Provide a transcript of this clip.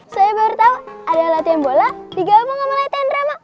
saya baru tau ada latihan bola digabung sama latihan drama